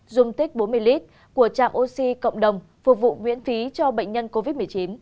dùng tích bốn mươi lít của trạm oxy cộng đồng phục vụ miễn phí cho bệnh nhân covid một mươi chín